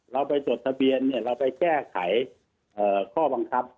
เราไปจดทะเบียนเราไปแก้ไขข้อบังคับ